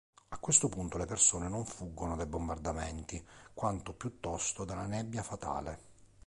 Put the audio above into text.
A questo punto le persone non fuggono dai bombardamenti, quanto piuttosto dalla nebbia fatale.